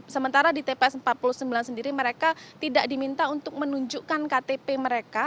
sementara di tps empat puluh sembilan sendiri mereka tidak diminta untuk menunjukkan ktp mereka